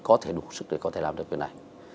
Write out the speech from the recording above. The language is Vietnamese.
có thể đủ sức để có thể làm được việc này